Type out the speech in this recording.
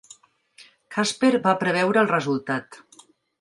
Casper va preveure el resultat.